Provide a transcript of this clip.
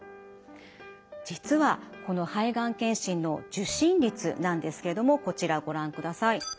実はこの肺がん検診の受診率なんですけれどもこちらをご覧ください。